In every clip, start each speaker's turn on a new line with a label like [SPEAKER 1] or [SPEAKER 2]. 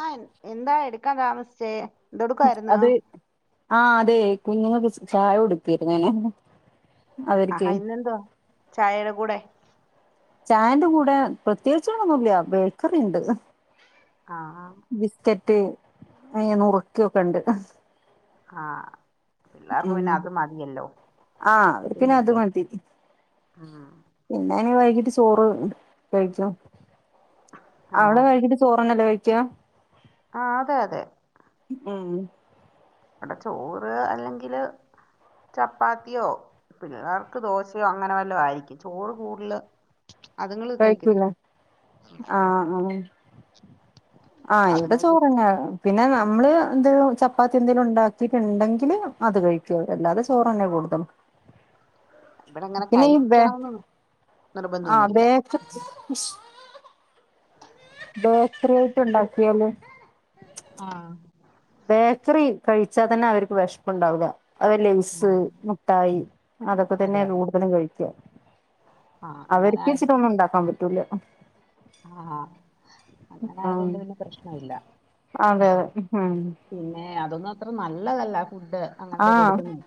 [SPEAKER 1] ആ എന്താ എടുക്കാൻ താമ
[SPEAKER 2] അത് ആ അതെ കുഞ്ഞിന് ബിസ് ചായ കൊടുക്കായിരുന്നേ.
[SPEAKER 1] ആഹാ ഇന്ന് എന്തുവാ ചായെടെ കൂടെ?
[SPEAKER 2] ചായേന്റെ കൂടെ പ്രത്യേകിച്ചൊളൊന്നുമില്ല. ബേക്കറിയിണ്ട്.
[SPEAKER 1] ആഹ്
[SPEAKER 2] ബിസ്ക റ്റ് [unintelligible] നുറുകൊകണ്ട്
[SPEAKER 1] ആ പിള്ളാർക്ക് പിന്നെ അത് മതിയല്ലോ
[SPEAKER 2] ആ അവർക്ക് പിന്നെ അത്
[SPEAKER 1] പിന്നല്ലേ
[SPEAKER 2] മതി
[SPEAKER 1] ഉം
[SPEAKER 2] പിന്നെ [unintelligible] വൈകിട്ടു ചോറ് കഴിക്കുവോ അവിടെ കഴിഞ്ഞിട്ട് ചോറ് തന്നല്ലേ കഴി ക്യാ
[SPEAKER 1] ആ അതെ അതെ
[SPEAKER 2] ഉം
[SPEAKER 1] ഇവിടെ ചോറ് അല്ലെങ്കില് ചപ്പാത്തിയോ പിള്ളേർക്ക് ദോശയോ അങ്ങനെ വല്ലോം ആയിരിക്കും ചോറ് കൂടുതൽ
[SPEAKER 2] കൈകുലേ ആ
[SPEAKER 1] ഉം.
[SPEAKER 2] ആ ആ ഇവിടെ
[SPEAKER 1] അതുങ്ങൾക്ക്
[SPEAKER 2] ചോറ് തന്നാ പിന്നെ നമ്മള് എന്ത് ചപ്പാത്തി എന്തേലും ഉണ്ടാക്കിട്ടുണ്ടെങ്കില് അത് കഴിക്കുംഅവര് അല്ലാതെ ചോറ് തന്നെയാ കൂടുതൽ
[SPEAKER 1] ഇവിടങ്ങനെ കഴിക്കണംന്ന് നിർബന്ധം ഒന്നും ഇല്ല
[SPEAKER 2] [unintelligible] ബേക്കറി ഐറ്റം ഉണ്ടാക്കിയാല്
[SPEAKER 1] ആ
[SPEAKER 2] ബേക്കറി കഴിച്ചാത്തന്നെ അവർക്ക് വെശപ്പ് ഉണ്ടാവൂല്ല അത് വ ലേസ്
[SPEAKER 1] ആഹ്
[SPEAKER 2] മുട്ടായി അതൊക്കെ
[SPEAKER 1] അതെ
[SPEAKER 2] തന്നാ അവർ
[SPEAKER 1] അതെ
[SPEAKER 2] കൂടുതലും കഴിക്ക
[SPEAKER 1] ആഹ് അങ്ങനെ
[SPEAKER 2] അവർക്ക്
[SPEAKER 1] ആയത്
[SPEAKER 2] വെച്ചിട്ട് ഒന്നും ഉണ്ടാക്കാൻ പറ്റൂല
[SPEAKER 1] ആഹ് അങ്ങനെ
[SPEAKER 2] ആ
[SPEAKER 1] ആയതുകൊണ്ട് പിന്നെ പ്രശ്നമില്ല
[SPEAKER 2] അതെ
[SPEAKER 1] പിന്നേ അതൊന്നും അത്ര നല്ലതല്ല ഉണ്ട് അങ്ങനത്തെ ഒക്കെ
[SPEAKER 2] ആഹ്
[SPEAKER 1] കൊടുക്കുന്നു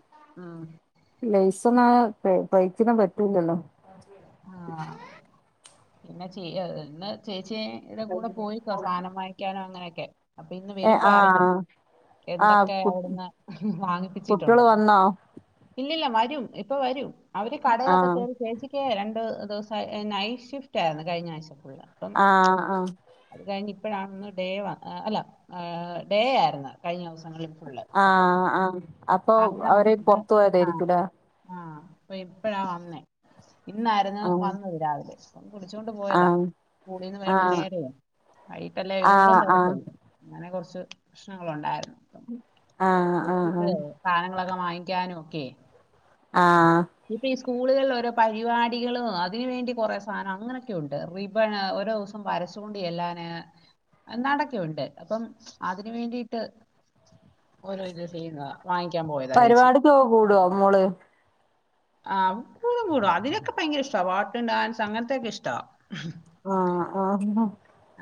[SPEAKER 2] കൈക്കൊന്നും പറ്റൂലല്ലോ
[SPEAKER 1] ആഹ്
[SPEAKER 2] [inaudible]
[SPEAKER 1] [unintelligible] കൂടെ പോയിക്കോ സാധനം വാങ്ങിക്കാനോ അങ്ങനൊക്കെ അപ്പ ഇന്ന്
[SPEAKER 2] ഏ
[SPEAKER 1] വരുമ്പോ അറിയാം
[SPEAKER 2] ആഹ് ആഹ്
[SPEAKER 1] എന്തൊക്കെ
[SPEAKER 2] കു
[SPEAKER 1] അവിടുന്ന്
[SPEAKER 2] കുട്ടികള്
[SPEAKER 1] വാങ്ങിപ്പിച്ചിട്ടുണ്ടെന്നു
[SPEAKER 2] വന്നോ
[SPEAKER 1] ഇല്ല വരും ഇപ്പ വരും അവര് കടയിലൊക്കെ
[SPEAKER 2] ആഹ്
[SPEAKER 1] കേറി ചേച്ചി രണ്ട് ദിവസം നൈറ്റ്‌ ഷിഫ്റ്റ്‌ ആരുന്നു കഴിഞ്ഞ ആഴ്ച ഫുള്ള് അപ്പം
[SPEAKER 2] ആ ആ
[SPEAKER 1] അത് കഴിഞ്ഞ് ഇപ്പോഴാണൊന്നു ഡേ വ അല്ല ഡേ ആരുന്നു കഴിഞ്ഞ ദിവസം അപ്പം
[SPEAKER 2] ആഹ് ആഹ് അപ്പൊ
[SPEAKER 1] അന്ന്
[SPEAKER 2] അവര്
[SPEAKER 1] നമുക്ക്
[SPEAKER 2] പൊറത്തു
[SPEAKER 1] ആ
[SPEAKER 2] പോയതായിരിക്കൂലേ
[SPEAKER 1] ആ അപ്പ ഇപ്പഴാ വന്നേ ഇന്നാരുന്നു
[SPEAKER 2] ആഹ്
[SPEAKER 1] വന്നത് രാവിലെ അപ്പം വിളിച്ചോണ്ട് പോയതാ
[SPEAKER 2] ആഹ്
[SPEAKER 1] സ്കൂളീന്ന്
[SPEAKER 2] ആഹ്
[SPEAKER 1] വരുമ്പം നേരെയെ വൈകിട്ടല്ലേ ഇതുങ്ങളും
[SPEAKER 2] ആഹ് ആഹ്
[SPEAKER 1] വരത്തൊള്ളൂ അങ്ങനെ കൊറച്ച് പ്രേശ്നങ്ങൾ ഉണ്ടായിരുന്നു
[SPEAKER 2] [inaudible] ആഹ് ആഹ്
[SPEAKER 1] [unintelligible] സാധനങ്ങളൊക്കെ വാങ്ങിക്കാനും കേ
[SPEAKER 2] ആ
[SPEAKER 1] സ്കൂളുകളില് ഓരോ പരിപാടികളും അതിന് വേണ്ടി കുറേ സാധനം അങ്ങനെയൊക്കെ ഉണ്ട് റിബ്ബണ് ഓരോ ദിവസോം വരച്ചോണ്ട് ചെല്ലാന് എന്താണ്ട് ഒക്കെയുണ്ട് അപ്പം അതിന് വേണ്ടീട്ട് ഓരോ ഇത് ചെയ്യുന്നതാ
[SPEAKER 2] പരുപാടിക് ഒക്കെ കൂടുമോ മോള്
[SPEAKER 1] ആഹ് കൂടും കൂടും അതിനൊക്കെ ഫയങ്കര ഇഷ്ടമാ പാട്ടും ഡാൻസ് അങ്ങനത്തെ ഒക്കെ ഇഷ്ടമാ
[SPEAKER 2] ആ ആ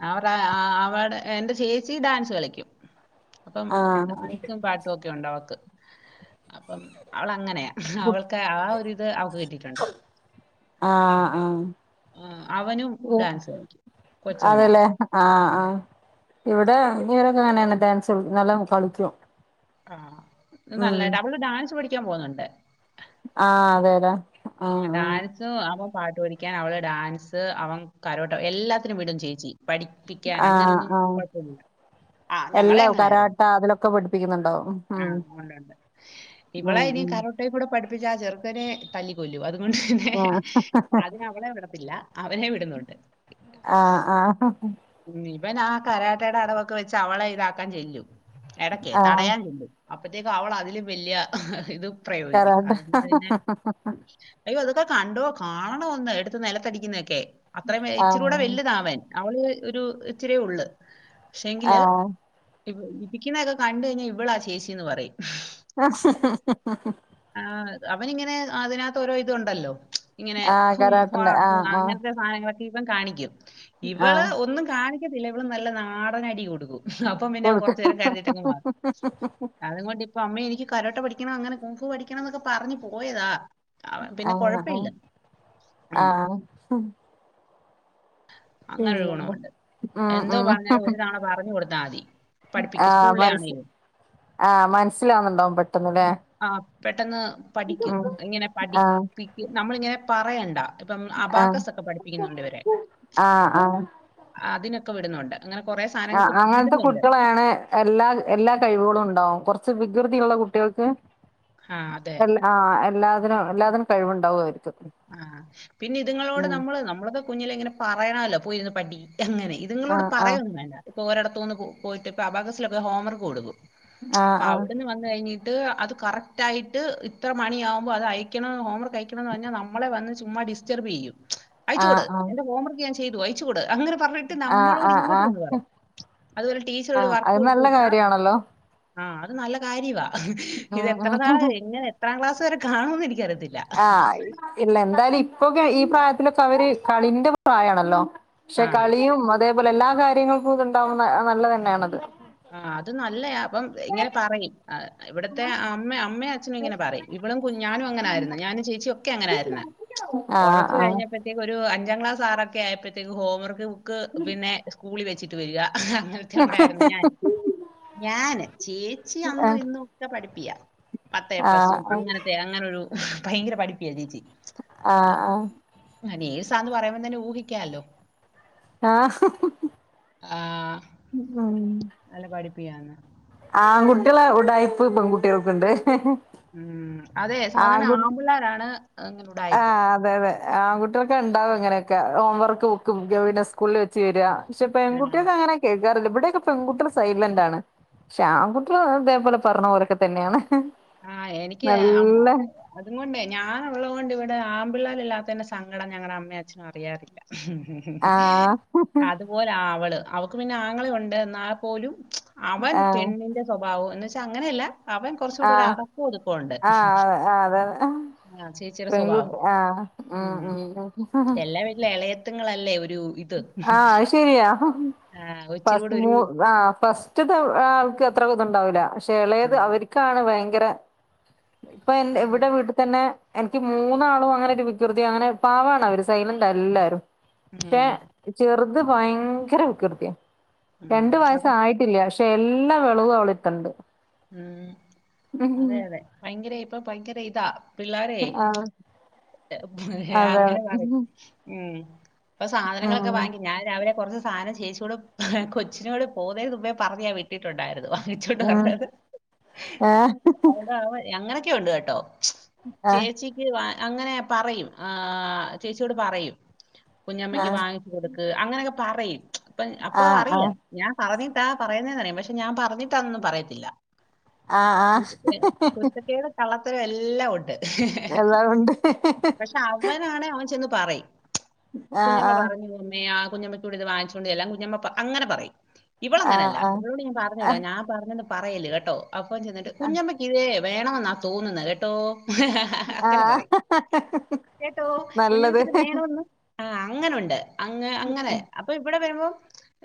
[SPEAKER 1] അവരെ അവടെ എന്റെ ചേച്ചിയും ഡാൻസ് കളിക്കും
[SPEAKER 2] ആ
[SPEAKER 1] പാട്ടുവൊക്കെ ഉണ്ട് അവൾക്ക് അപ്പം അവൾ അങ്ങനെയാ
[SPEAKER 2] ആ ആഹ്
[SPEAKER 1] ആഹ് അവനും
[SPEAKER 2] ഓ
[SPEAKER 1] ഡാൻസ് കളിക്കും. കൊച്ചവനും.
[SPEAKER 2] അതേല്ലേ ആഹ്
[SPEAKER 1] ഉം.
[SPEAKER 2] ആ ഇവിടെ [unintelligible] ഡാൻസ് നല്ലോണം കളിക്കും
[SPEAKER 1] ഉം നല്ലതായിട്ട് അവള് ഡാൻസ് പടി ക്കാൻ പോന്നുണ്ട്
[SPEAKER 2] ആ അതേടാ
[SPEAKER 1] ഉം ഡാൻസ് അവ പാട്ട് പഠിക്കാൻ അവള് ഡാൻസ് അവൻ കരോട്ടോ എല്ലാത്തിനും വിടും ചേച്ചി പഠിപ്പിക്കാൻ
[SPEAKER 2] ആഹ്
[SPEAKER 1] അങ്ങനൊന്നും
[SPEAKER 2] ആഹ്
[SPEAKER 1] ആ ഞങ്ങളെ
[SPEAKER 2] എല്ലാം
[SPEAKER 1] അങ്ങനെ ആരുന്ന്
[SPEAKER 2] കരാട്ട അതിലൊക്കെ പഠിപ്പിക്കുന്നുണ്ടോ ഉം
[SPEAKER 1] ആ ഉണ്ട് ഉണ്ട് ഇവളെ
[SPEAKER 2] ഉം
[SPEAKER 1] ഇനി
[SPEAKER 2] ഉം
[SPEAKER 1] കരോട്ടെ കൂടി പഠിപ്പിച്ചാൽ ആ ചെറുക്കനെ കലിപ്പ് കൊല്ലും അത്
[SPEAKER 2] ആഹ്
[SPEAKER 1] അതിന് അവളെ വിടത്തില്ല അവനെ വിടുന്നുണ്ട്
[SPEAKER 2] ആ ആഹ്
[SPEAKER 1] ഇവനാ കരാട്ടേടെ അടവൊക്കെ വെച്ച് അവളെ ഇതാക്കാൻ ചെല്ലും ഇടയ്ക്
[SPEAKER 2] ആഹ്
[SPEAKER 1] തടയാൻ അപ്പോഴത്തേക്ക് അവള് അതിലും വല്യ ഇത് പ്രയോഗിക്കും
[SPEAKER 2] കരാട്ട
[SPEAKER 1] അതുകൊണ്ട് പിന്നെ ഇയ്യോ അത് പ്പൊ കണ്ടോ കാണണമൊന്ന് എടുത്ത് നിലത്തടിക്കൊന്നൊക്കെ അത്രേം
[SPEAKER 2] ആഹ്
[SPEAKER 1] ച്ചിരിക്കൂടെ വല്യതാവാൻ അവള് ഒരു ഇച്ചിരിയെ ഉള്ളു പക്ഷേങ്കില്
[SPEAKER 2] ആഹ്
[SPEAKER 1] വിക്കിനോക്കെ കണ്ട് കഴ്ഞ്ഞാ ഇവളാ ചേച്ചിന്നു പറയും
[SPEAKER 2] ആഹ് [unintelligible]
[SPEAKER 1] ആ, അവനിങ്ങനെ അതിനകത്ത് ഓരോ ഇത് ഉണ്ടല്ലോ ഇങ്ങനെ
[SPEAKER 2] ആഹ്
[SPEAKER 1] ഹും ഹാ
[SPEAKER 2] കരാട്ടന്റെ
[SPEAKER 1] ഹു
[SPEAKER 2] ആഹ് ആഹ്
[SPEAKER 1] അങ്ങൻത്തെ സാനങ്ങളൊക്കെ ഇവൻ കാണിക്കും ഇവള്
[SPEAKER 2] ആഹ്
[SPEAKER 1] കാണിക്കത്തില്ല ഇവള് നാടൻ അടി കൊടുക്കും അപ്പം പിന്നെ കൊറച്ച്നേരം കരഞ്ഞിട്ടങ്ങ്
[SPEAKER 2] കൊടുക്കും
[SPEAKER 1] മാറും അത് കൊണ്ടിപ്പോ അമ്മേ എനിക്ക് കാരാട്ട പഠി ക്കണം അങ്ങനെ കുങ്ഫു പഠിക്കണംന്നൊക്കെ പറഞ്ഞ് പോയതാ അവൻ പിന്നെ
[SPEAKER 2] അതോ
[SPEAKER 1] കുഴപ്പമില്ല
[SPEAKER 2] ആ
[SPEAKER 1] ഉം, അങ്ങനൊരു ഗൊണമുണ്ട്
[SPEAKER 2] ഉം
[SPEAKER 1] എന്തോ
[SPEAKER 2] ഉം
[SPEAKER 1] പറഞ്ഞാലും ഒരു തവണ പറഞ്ഞു കൊടു ത്താതി പഠിപ്പിക്കും
[SPEAKER 2] ആഹ്
[SPEAKER 1] സ്കൂളിലെയാണോ
[SPEAKER 2] മനസ്
[SPEAKER 1] ഇത്?
[SPEAKER 2] ആഹ് മനസ്സിലാവുന്നുണ്ടാവും പെട്ടെന്ന്ല്ലേ
[SPEAKER 1] ആ പെട്ടന്ന് പഠിക്കും
[SPEAKER 2] ഉം
[SPEAKER 1] ങ്ങനെ
[SPEAKER 2] ആഹ്
[SPEAKER 1] പഠിപ്പിക്കും നമ്മളിങ്ങനെ പറയണ്ട പ്പം അബാക്കസൊക്കെ പഠിപ്പിക്കുന്നുണ്ടിവര്
[SPEAKER 2] ആ ആ
[SPEAKER 1] അതിനൊക്കെ വിടുന്നുണ്ട് അങ്ങനെ കൊറേ
[SPEAKER 2] ആ
[SPEAKER 1] സാധനങ്ങൾക്ക് വിടുന്നുണ്ട്.
[SPEAKER 2] അങ്ങൻത്തെകാട്യളേയാണ് എല്ലാ എല്ലാ കഴിവുകളും ഉണ്ടാവും കൊർച്ച് വി വികൃതിയുള്ള കുട്ടികൾക്ക്
[SPEAKER 1] ആ അതെ.
[SPEAKER 2] എൽ ആ എല്ലാദിനും എല്ലാദിനും കഴിവുണ്ടാവും അവർക്ക്
[SPEAKER 1] പിന്നിത്ങ്ങളോട്
[SPEAKER 2] ഉം
[SPEAKER 1] നമ്മള് നമ്മളൊക്കെ കുഞ്ഞിലേ ങ്ങനെ പറയണല്ലോ പോയിരുന്ന് പടിക്ക് അങ്ങനെ ഇതിങ്ങളോട്
[SPEAKER 2] ആഹ് ആഹ്
[SPEAKER 1] പറയൊന്നും വേണ്ട ഒരെടത്തൂന്ന് പോയിട്ട് പ്പൊ അബാകസിലൊക്കെ ഹോംവർക്ക് കൊടുക്കും
[SPEAKER 2] ആഹ് ആഹ്
[SPEAKER 1] പ്പവിടുന്ന് വന്ന് കഴിഞ്ഞാ ട്ട് അത് കറക്റ്റ് ആയിട്ട് ഇത്ര മണിയാവുമ്പോ അത് അയക്കണംന്ന് ഹോംവർക്ക് അയക്കണംന്ന് പറഞ്ഞാ ന മ്മളെ വന്ന് ചുമ്മാ ഡിസ്റ്റർബ് ചെയ്യും അയ്ച്ച് കൊട്
[SPEAKER 2] ആഹ്
[SPEAKER 1] എന്റെ ഹോംവർക്ക് ഞാൻചെയ് ചെയ്തു അയ്ച്കൊട് അങ്ങനെ പർൺട്ട്
[SPEAKER 2] ആഹ് ആഹ് ആഹ്
[SPEAKER 1] നമ്മളോടിങ്ങോട്ടുവന്ന്
[SPEAKER 2] ആഹ്
[SPEAKER 1] പറയും അതുപോലൊരുടീച്ചറൊരു
[SPEAKER 2] ആഹ്
[SPEAKER 1] വർക്ക്
[SPEAKER 2] അത് നല്ല
[SPEAKER 1] കൊത്ത്വിട്ടാ
[SPEAKER 2] കാര്യാണല്ലോ
[SPEAKER 1] ആ അത് നല്ല കാര്യവാ അഹ് ഇത്
[SPEAKER 2] ഉം
[SPEAKER 1] എത്ര നാള്
[SPEAKER 2] ഉം
[SPEAKER 1] എങ്ങനെ എത്രാംക്ലാസ്സ് ത്വരെ കാണുംന്ന് നിക്കറിയാത്ത തില്ല അഹ്ഹ്
[SPEAKER 2] ആഹ് ഇല്ല എന്തായ്ലും ഇപ്പോക്കെ ഈ പ്രായത്തിലൊക്കെ അവര് കളീൻ്റെ പ്രായാണല്ലോ ക്ഷേ
[SPEAKER 1] ആ.
[SPEAKER 2] കളിയും അതേ എല്ലാർടെകാര്യങ്ങൾകൊക്കെ ണ്ടാവന്ന് അനല്ലതന്നയാണത്
[SPEAKER 1] ആ അതുനല്ലയാ പ്പം ഇങ്ങനെ പറയും ആ ഇവിട്ത്തെ അമ്മേ അമ്മേം അച്ഛനും ഇങ്ങനെ പറയും ഇവളും കു ഞ്ഞാനും അങ്ങനാര്ന്ന് ഞാനും ചേച്ചിഒക്കെ അങ്ങനാര്ന്ന്
[SPEAKER 2] ആഹ് ആഹ്
[SPEAKER 1] കൊറച്ച്കഴിഞ്ഞപ്പഴ്ത്തേക്ക് ഒരു അൻ ഞങ്ങളാസാറൊക്കെ ആയപ്പഴ്ത്തേക്ക് ഹോംവർക്ക് ബു ക്ക് പിന്നെ കൂളിവെച്ചിട്ട് വരിക അഹ്ഹ കെഒണ്ടാര്ന്നുഞാൻ ഞാന് ചേച്ചി
[SPEAKER 2] ആഹ്
[SPEAKER 1] അന്നുഇന്നുഉക്കെ പഠിപ്പിയാ
[SPEAKER 2] ആഹ്
[SPEAKER 1] പത്തേപ്ലെസ്സും അങ്ങനത്തെ അങ്ങനൊരു ഭയങ്കര പഠിപ്പിയാ ചേച്ചി
[SPEAKER 2] ആഹ് ആ
[SPEAKER 1] നഴ്സ്സന്ന് പറയുമ്പംതന്നെ ഊഹികാലോ
[SPEAKER 2] ആ
[SPEAKER 1] ആ നല്ലപഠി പ്പിയാന്ന്
[SPEAKER 2] ആങ്കുട്ടികൾളെ ഉടായിപ്പ് പെങ്കുട്ടികൾക്ക്ണ്ട്
[SPEAKER 1] ഉം അതേ സാധാർണ ആമ്പിള്ളാരാണ്
[SPEAKER 2] ആ അതേഅതേ ആങ്കുട്യോൾക്ക്ണ്ടാവു അങ്ങനെ കെ ഹോംവർക്ക്ബുക്കും ജോയ്ന് സ്കൂൾള് വെച്ച് വെര്ക ഷേ
[SPEAKER 1] ആ
[SPEAKER 2] പെങ്കുട്ടീൾക്കങ്ങനേക്കെ കേറല് ഇവ്ടേക്കെ പെങ്കുട്ട്ള് സൈലൻ്റാണ് ഷേ ആങ്കുട്ട്ള് ഇതേപോലെ പറഞ്ഞപോലൊക്കെത്തന്നെയാണ്
[SPEAKER 1] ആ എനിക്ക് അമ് അതുംകൊണ്ടെ ഞാനുള്ളതുകൊണ്ടിവി ണ്ട് ആമ്പിള്ളാരില്ലാത്തേൻ്റെ സങ്കടം ഞങ്ങടമ്മേഅച്ഛനും അറിയാറില്ല
[SPEAKER 2] ആഹ്
[SPEAKER 1] അതുപോലാ അവള് അവക്ക് പിന്നെ ആങ്ങളഒണ്ട് എന്നാപ്പോലും അവൻ
[SPEAKER 2] ആഹ്
[SPEAKER 1] പെണ്ണിൻ്റെ സ്വഭാവോം എന്ന്ച്ച് ഇതെങ്ങനെയല്ല അവൻ
[SPEAKER 2] ആ
[SPEAKER 1] കുറച്ചുകൂടെ ഒരു അടക്കം ഒതുക്കം ഉണ്ട്
[SPEAKER 2] അതെ അതെ
[SPEAKER 1] ആ, ചേച്ചിയുടെ
[SPEAKER 2] പെൺകുട്ടി
[SPEAKER 1] സ്വഭാവം
[SPEAKER 2] ആ മു മു
[SPEAKER 1] ങ്ങളല്ലേ ഒ
[SPEAKER 2] ആ അത്ശരിയ
[SPEAKER 1] ആ, ഇച്ചിരി കൂടെ ഒരു
[SPEAKER 2] പസ്ന്യൂ ആ പസ്റ്റ്ദേ ആൾക്ക് അത്ര ഇതെണ്ടാവൂല എളേത്
[SPEAKER 1] ഉം.
[SPEAKER 2] അവരിക്കാണ് ഭ യങ്കര ഇപ്പൻ്റെ ഇവിടെ വീട്ടിത്തന്നെ എനിക്ക് മൂന്നാളോങ്ങനെ വ്യകൃതി അങ്ങനെ പാവാണ് അവര് സായിലെന്റ എല്ലാരും ശേ
[SPEAKER 1] ഉം.
[SPEAKER 2] ചെറുത് ഇത് ഭയ്ങ്കര വികൃതിയാ
[SPEAKER 1] ഉം.
[SPEAKER 2] രണ്ടു
[SPEAKER 1] അതാ
[SPEAKER 2] വയസ്സായിട്ടില്ല പാ എല്ലാ വെളവും അവളെത്തണ്ട്
[SPEAKER 1] ഉം അതെ അതെ ഭയ്ങ്കര ഇപ്പം പയ്ങ്കര ഇ താ പിള്ളാരെ
[SPEAKER 2] ആഹ് അതെ
[SPEAKER 1] ആങ്ങനെ കാണും
[SPEAKER 2] ഉം
[SPEAKER 1] ഉം പ്പ സാധനങ്ങളൊക്കെ വാങ്ങിക്കും
[SPEAKER 2] ഉം
[SPEAKER 1] ഞാൻ രാവിലെ കൊറച്ച് സാധനം ചേച്ചിയോട് കൊച്ചിനോട് പോവുന്നേനുമുമ്പേ പറഞ്ഞ് ഞാൻ വിട്ടിട്ടോണ്ടായിരുന്നു നെച്ചോണ്ട് വറ്ണത്
[SPEAKER 2] [unintelligible]
[SPEAKER 1] അങ്ങനെക്കെ ഒണ്ട് കേട്ടോ ച്ച്
[SPEAKER 2] ആഹ്
[SPEAKER 1] ചേച്ചിക്ക് വാ അങ്ങനെ പറയും ആ ചേച്ചിയോട് പറയും കുഞ്ഞമ്മക്ക്
[SPEAKER 2] ആഹ്
[SPEAKER 1] വാങ്ങി കൊടുക്ക് അങ്ങനക്കെ പറയും അപ്പ
[SPEAKER 2] ആഹ്
[SPEAKER 1] അറിയാം
[SPEAKER 2] ആഹ്
[SPEAKER 1] ഞാൻ പറഞ്ഞേ ത്താ പറയുന്നേന്നറിയാം പക്ഷേ ഞാൻ പറഞ്ഞിട്ടാനൊന്നും പറയത്തില്ല
[SPEAKER 2] ആഹ്‌ ആ
[SPEAKER 1] ത്തെര എല്ലാം ഒണ്ട്
[SPEAKER 2] [unintelligible] വാവുണ്ട്
[SPEAKER 1] അവനാണെ അവൻ ചെന്ന് പറയും കുഞ്ഞമ്മ പറഞ്ഞില്ലമ്മേ ആഹ് കുഞ്ഞമ്മക്കൂടെ ഇത് വാങ്ങിച്ചോണ്ട് ചെല്ലാൻ കുഞ്ഞമ്മ പ അങ്ങന പറയും
[SPEAKER 2] ആഹ്
[SPEAKER 1] ഇവളങ്ങനല്ല
[SPEAKER 2] ആഹ്
[SPEAKER 1] ഇവളോട് ഞാൻ പറഞ്ഞു വിടും ഞാൻ പറഞ്ഞന്ന് പറയല്ല് കേ ട്ടോ അപ്പം ചെന്നിട്ട് കുഞ്ഞമ്മയ്ക്കിതേ വേണവെന്നാ തോന്നുന്നെ കേട്ടോ അങ്ങനെ
[SPEAKER 2] ആഹ്
[SPEAKER 1] പറയും കേട്ടോ
[SPEAKER 2] നല്ലത്
[SPEAKER 1] കുഞ്ഞോൾക്കിത് വേണോന്ന് ആ അങ്ങനോണ്ട് അങ്ങ അങ്ങനെ അപ്പം ഇവിടെ വരുമ്പോ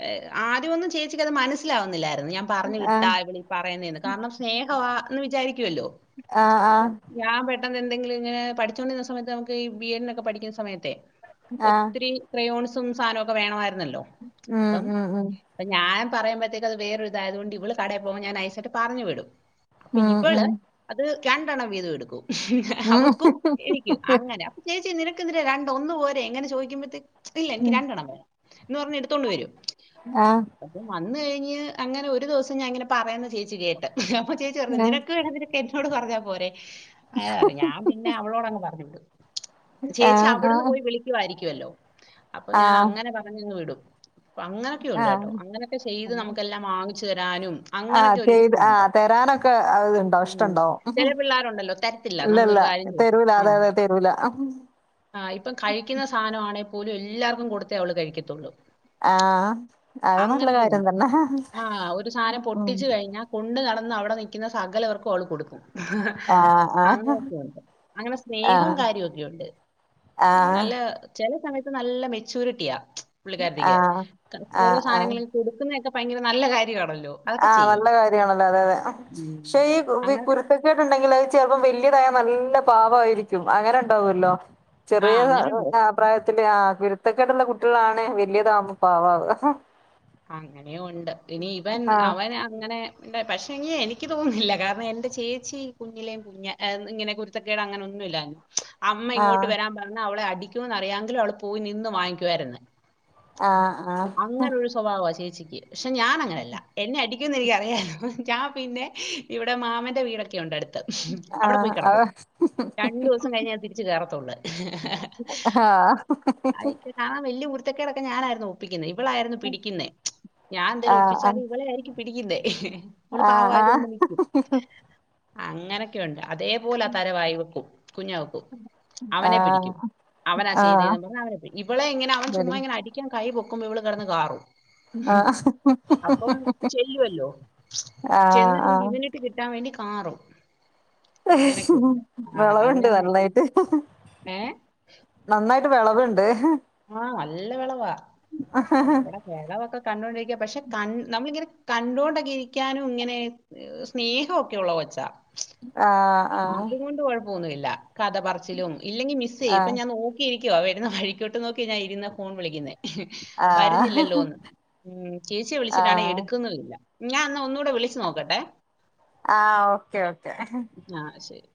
[SPEAKER 1] ഏഹ് ആദ്യം ഒന്നും ചേച്ചിക്കത് മനസ്സിലാകുന്നില്ലാ രുന്നു ഞാൻ പറഞ്ഞു
[SPEAKER 2] ആഹ്
[SPEAKER 1] വിട്ടാ ഇവളി പറ യുന്നെന്ന് കാരണം സ്നേഹവാ എന്ന് വിചാരിക്കുവല്ലോ
[SPEAKER 2] ആഹ്
[SPEAKER 1] അപ്പോ
[SPEAKER 2] ആഹ്
[SPEAKER 1] ഞാൻ പെ ട്ടന്നെന്തെങ്കിലും ഇങ്ങനെ പഠിച്ചോണ്ടിരുന്ന സമയത്ത് നമുക്ക് ഈ ബി എഡിന് ഒക്കെ പഠിക്കുന്ന സമയത്തേ
[SPEAKER 2] ആഹ്
[SPEAKER 1] ഒത്തിരി ക്രയോൺ സും സാധനോക്കെ വേണവായി രുന്നല്ലോ
[SPEAKER 2] ഉം
[SPEAKER 1] അപ്പം
[SPEAKER 2] ഉം ഉം
[SPEAKER 1] അപ്പൊ ഞാൻ പറയുമ്പത്തേക്ക് അത് വേറെ ഒരു ഇതായതുകൊണ്ട് ഇവള് കടെ പോകുമ്പോ ഞാൻ ഐസ് എന്നിട്ട് പറഞ്ഞു വിടും അപ്പം
[SPEAKER 2] ഉം
[SPEAKER 1] ഇവള്
[SPEAKER 2] ഉം
[SPEAKER 1] അത് രണ്ടെണ്ണം വീതം എടുക്കും അവക്കും എനിക്കും അങ്ങനെ അപ്പം ഞാൻ ചോദിച്ച് നിന ക്ക് എന്തിനാ രണ്ട് ഒന്നു പോരേ ഇങ്ങനെ ചോദിക്കുമ്പഴ്ത്തേ ഇല്ല എനിക്ക് രണ്ടെണ്ണം വേണം എന്ന് പറഞ്ഞ് എടുത്തോണ്ട് വരും
[SPEAKER 2] ആ
[SPEAKER 1] ന്ന് കഴിഞ്ഞ് അങ്ങനെ ഒരു ദിവസം ഞാനിങ്ങനെ പറയുന്നത് ചെ ച്ചി കേട്ട് അപ്പൊ ചേച്ചി പറഞ്ഞ്
[SPEAKER 2] ആഹ്
[SPEAKER 1] നിനക്ക് വേണേ നിനക്ക് എന്നോട് പറ ഞ്ഞാ പോരെ ആ ഞാൻ പിന്നെ അവളോട് അങ്ങ് പറഞ്ഞുവിടും ചേച്ചി അവിടുന്ന്
[SPEAKER 2] ആഹ്
[SPEAKER 1] പോയി വിളിക്കുവായിരി ക്കുവല്ലോ അപ്പം ഞാൻ
[SPEAKER 2] ആഹ്
[SPEAKER 1] അങ്ങനെ പറഞ്ഞങ്ങ് വിടും അപ്പം അങ്ങനൊക്കെയുണ്ട് കേട്ടോ
[SPEAKER 2] ആഹ്
[SPEAKER 1] അങ്ങനൊക്കെ ചെയ്ത് നമുക്ക് എല്ലാം വാങ്ങി ച്ച് തരാനും
[SPEAKER 2] ആഹ്
[SPEAKER 1] അങ്ങനൊക്കെ ഒരു
[SPEAKER 2] ചെയ്ത്
[SPEAKER 1] ട്ടുമുണ്ട്
[SPEAKER 2] ആഹ് തരാനൊക്കെ ഇതുണ്ടാവും
[SPEAKER 1] ഉം ചെല
[SPEAKER 2] ഇഷ്ടണ്ടാവും
[SPEAKER 1] പിള്ളാര് ഉണ്ടല്ലോ തരത്തില്ല നമ്മൾ
[SPEAKER 2] ഇല്ലല്ല
[SPEAKER 1] ഒരു കാര്യം ചോദിച്ചാൽ
[SPEAKER 2] തരൂല
[SPEAKER 1] ആ
[SPEAKER 2] അതെ അതെ തരൂല
[SPEAKER 1] ആ ഇപ്പം കഴിക്കുന്ന സാധനം ആണേൽ [unintelligible] എല്ലാവർക്കും കൊടുത്തേ അവള് കഴിക്കത്തുള്ളൂ
[SPEAKER 2] ആഹ് അത് നല്ല കാര്യം
[SPEAKER 1] അങ്ങനൊക്കെയുണ്ട്.
[SPEAKER 2] തന്നെ
[SPEAKER 1] ആ ഒരു സാധനം
[SPEAKER 2] ഉം
[SPEAKER 1] പൊട്ടിച്ചു കഴിഞ്ഞാ കൊണ്ട് നടന്ന് അവിടെ നിക്കുന്ന സകല പേർക്കും അവള് കൊടുക്കും
[SPEAKER 2] ആഹ്
[SPEAKER 1] അങ്ങനെയൊക്കെയുണ്ട് അങ്ങനെ സ്നേഹവും
[SPEAKER 2] ആഹ്
[SPEAKER 1] കാര്യമൊക്കെയുണ്ട്
[SPEAKER 2] ആഹ്
[SPEAKER 1] നല്ല ചില സമയത്ത് നല്ല മെച്ചൂരിറ്റിയാ
[SPEAKER 2] ആഹ്
[SPEAKER 1] പുള്ളിക്കാരത്തിക്ക് ഓരോ
[SPEAKER 2] ആഹ് ആഹ്
[SPEAKER 1] സാധനങ്ങളും കൊടുക്കുന്നയാക്കെ ഭയങ്കര നല്ല കാര്യമാണ
[SPEAKER 2] ആഹ് നല്ല കാര്യാണ് അതെ അതെ
[SPEAKER 1] ഉം.
[SPEAKER 2] പക്ഷേ ഈ വി
[SPEAKER 1] അങ്ങനൊക്കെ
[SPEAKER 2] കുരുത്തക്കേടുണ്ടെങ്കിൽ അത് ചെലപ്പം വ ല്യതായ നല്ല പാവമായിരിക്കും അങ്ങനെ ഉണ്ടാവൊല്ലോ
[SPEAKER 1] ആ
[SPEAKER 2] ചെറിയ താ
[SPEAKER 1] അങ്ങനെ
[SPEAKER 2] ആ പ്രായ ത്തിൻ്റെ ആ കുരുത്തക്കേടുള്ള കുട്ടികളാണ് വല്ലിയതാവുമ്പേ പാവാവാ
[SPEAKER 1] അങ്ങനെയും ഉണ്ട് ഇനി ഇവൻ
[SPEAKER 2] ആഹ്
[SPEAKER 1] അവൻ അങ്ങനെ ഉണ്ടേ പക്ഷെ എങ്കി എനിക്ക് തോന്നുന്നില്ല കാരണം എന്റെ ചേച്ചി കുഞ്ഞിലേ കുഞ്ഞ് ഇങ്ങനെ കുരുത്തക്കേട് അങ്ങനെ ഒന്നുമില്ലായിരുന്നു അമ്മ ഇങ്ങോട്ട്
[SPEAKER 2] ആഹ്
[SPEAKER 1] വരാൻ പറഞ്ഞ അവളെ അ ടിക്കുംന്ന് അറിയാങ്കിലും അവള് പോയി നിന്ന് വാങ്ങിക്കുവായിരുന്ന്
[SPEAKER 2] ആ ആ
[SPEAKER 1] സോ ചേച്ചിക്ക് പക്ഷെ ഞാൻ അങ്ങനല്ല എന്നെ അടി ഇരിക്കുന്നെനിക്കറിയാലോ ഞാൻ പിന്നെ ഇവിടെ മാമന്റെ വീടൊക്കെ ഉണ്ട് അടുത് ത്ത്. അവിടെ പോയി
[SPEAKER 2] ആഹ് ആഹ്
[SPEAKER 1] കിടക്കു
[SPEAKER 2] അത്
[SPEAKER 1] രണ്ടു ദിവസം കഴിഞ്ഞ് ഞാൻ തിരിച്ച് കേറത്തുള്ളൂ ആഹ
[SPEAKER 2] അഹാ
[SPEAKER 1] ത്തക്കേടൊക്കെ ഞാനായിരുന്നു ഒപ്പി ക്കുന്നെ ഇവളായിരുന്നു പിടി ക്കുന്നെ ഞാൻ എന്തേലും
[SPEAKER 2] ആഹ്
[SPEAKER 1] ഒപ്പിച്ചാലും ഇവളെ ആയിരിക്കും പിടിക്കുന്നേ അവള് പാവയത് കൊണ്ട്
[SPEAKER 2] ആഹ്
[SPEAKER 1] നിക്കും. അങ്ങനെ ഒക്കെ ഉണ്ട് അതേപോലെ അതരവായി വെക്കും കുഞ്ഞാക്കു
[SPEAKER 2] ആഹ്
[SPEAKER 1] അവനെ പിടിക്കും.
[SPEAKER 2] ആഹ്
[SPEAKER 1] അവനാ
[SPEAKER 2] ആഹ്
[SPEAKER 1] ചെയ്തേന്നും പറഞ്ഞ് അവനെ പിടിക്കും. ഇവളെ ഇങ്ങനെ അവൻ ചുമ്മാ
[SPEAKER 2] ഇബടിം
[SPEAKER 1] ഇങ്ങനെ അടിക്കാൻ കൈ പൊക്കുമ്പോ ഇവള് കിടന്ന് കാറും
[SPEAKER 2] ആഹ്
[SPEAKER 1] അപ്പം ചെല്ലുവല്ലോ, ചെന്ന്
[SPEAKER 2] ആഹ്
[SPEAKER 1] കഴിഞ് ഇവനിട്ട് കിട്ടാൻ വേണ്ടി കാറും അങ്ങനൊക്കെ ഉണ്ട് ആ
[SPEAKER 2] വിളവുണ്ട്
[SPEAKER 1] അങ്ങനെ
[SPEAKER 2] വെള്ളായിട്ട്
[SPEAKER 1] ഏ
[SPEAKER 2] നന്നായി വിളവുണ്ട്.
[SPEAKER 1] ആ നല്ല വിളവാ അങ്ങനെ വിളവൊക്കെ കണ്ടോകൊണ്ടിരിക്കാം പക്ഷേ കൺ നന്മളിങ്ങനെ കണ്ടോണ്ടങ്ങക്കെയിരിക്കാനും ഇങ്ങനെ സ്നേഹമൊക്കെയുള്ള കൊച്ചാ.
[SPEAKER 2] ആ ആ
[SPEAKER 1] ല്ല കഥ പറച്ചിലും. ഇല്ലെങ്കിൽ മിസ്സ് ചെയ്യും, ഇപ്പ
[SPEAKER 2] ആഹ്
[SPEAKER 1] ഞാൻ നോക്കിയിരിക് ക്കോ, വരുന്ന വഴിക്കോട്ടു നോക്കി ഇരുന്നാ ഞാൻ ഫോൺ വിളിക്കുന്നെ.
[SPEAKER 2] ആഹ്
[SPEAKER 1] വരുന്നില്ലല്ലോന്ന്. ഉം തിരിച്ചു വിളിച്ചിട്ടാണെങ്കി
[SPEAKER 2] ആഹ്
[SPEAKER 1] എടുക്കുന്നുമില്ല. ഞാൻ അന്നാ ഒന്നൂടെ വിളിച്ചു നോക്കട്ടെ.
[SPEAKER 2] ആ ഓക്കേ ഓക്കേ.
[SPEAKER 1] ആ ശരി.